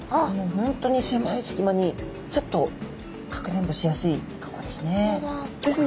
本当に狭いすき間にすっとかくれんぼしやすい格好ですね。